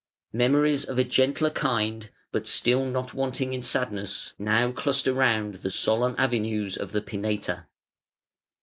Memories of a gentler kind, but still not wanting in sadness, now cluster round the solemn avenues of the Pineta.